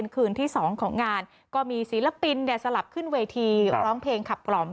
คืนที่๒ของงานก็มีศิลปินเนี่ยสลับขึ้นเวทีร้องเพลงขับกล่อม